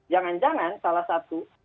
jangan jangan salah satu